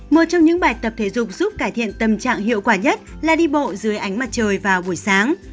một trong những bài tập thể dục giúp cải thiện tâm trạng hiệu quả nhất là đi bộ dưới ánh mặt trời vào buổi sáng